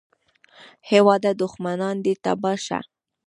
هېواده دوښمنان دې تباه شه